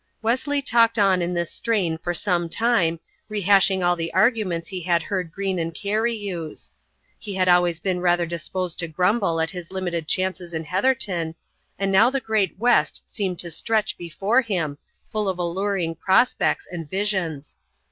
Wesley talked on in this strain for some time, rehashing all the arguments he had heard Greene and Cary use. He had always been rather disposed to grumble at his limited chances in Heatherton, and now the great West seemed to stretch before him, full of alluring prospects and visions.